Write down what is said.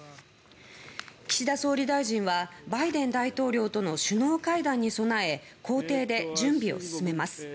岸田総理大臣はバイデン大統領との首脳会談に備え公邸で準備を進めます。